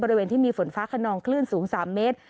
บริเวณที่มีฝนฟ้าขนองคลื่นสูง๓เมตร